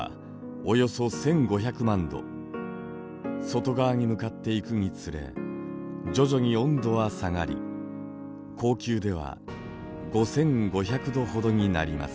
外側に向かっていくにつれ徐々に温度は下がり光球では５，５００度ほどになります。